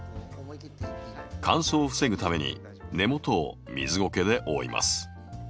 乾燥を防ぐために根元を水ゴケで覆います。